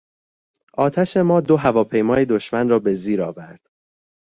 آتش ما دو هواپیمای دشمن را به زیر آورد.